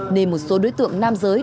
nên một số đối tượng nam giới